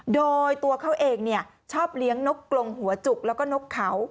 โดยตัวเขาเองชอบเลี้ยงนกกลงหัวจุกแล้วก็นกเขา